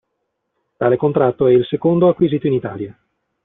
Tale contratto è il secondo acquisito in Italia.